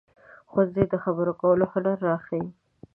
ښوونځی د خبرو کولو هنر راښيي